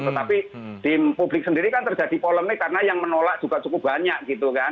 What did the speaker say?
tetapi di publik sendiri kan terjadi polemik karena yang menolak juga cukup banyak gitu kan